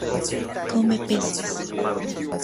Come peces.